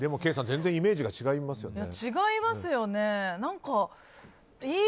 全然イメージが違いますよね。